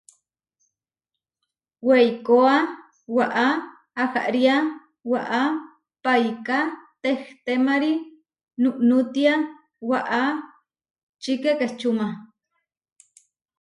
Weikóa waʼá ahariá waʼá paiká tehtemarí núnútia waʼá čikekečuma.